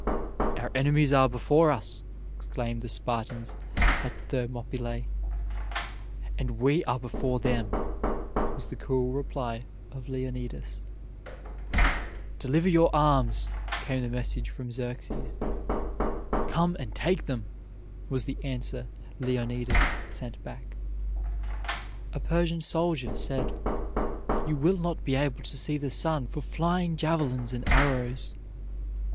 "Our enemies are before us," exclaimed the Spartans at Thermopylae. "And we are before them." was the cool reply of Leonidas. "Deliver your arms," came the message from Xerxes. "Come and take them," was the answer Leonidas sent back. A Persian soldier said: "You will not be able to see the sun for flying javelins and arrows."